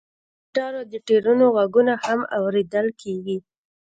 د موټرو د ټیرونو غږونه هم اوریدل کیږي